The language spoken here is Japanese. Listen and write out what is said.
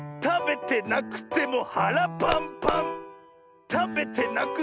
たべてなくてもはらパンパン！